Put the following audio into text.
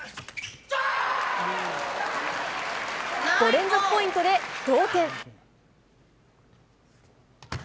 ５連続ポイントで同点。